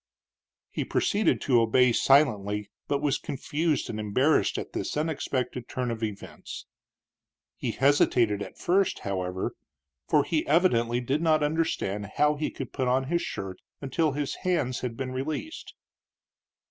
He proceeded to obey silently, but was confused and embarrassed at this unexpected turn of events. He hesitated at first, however, for he evidently did not understand how he could put on his shirt until his hands had been released.